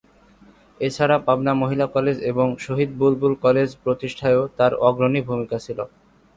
এ ছাড়া পাবনা মহিলা কলেজ এবং শহীদ বুলবুল কলেজ প্রতিষ্ঠায়ও তাঁর অগ্রনী ভূমিকা ছিল।